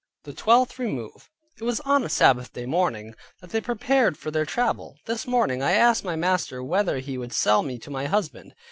THE TWELFTH REMOVE It was upon a Sabbath day morning, that they prepared for their travel. This morning I asked my master whether he would sell me to my husband.